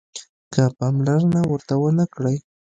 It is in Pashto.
که پاملرنه ورته ونه کړئ